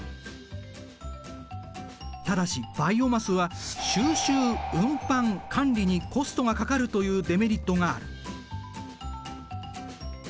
ただしバイオマスは収集・運搬・管理にコストがかかるというデメリットがある。